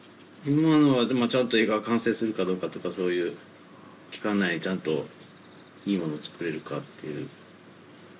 今のはちゃんと映画完成するかどうかとかそういう期間内にちゃんといいもの作れるかっていう。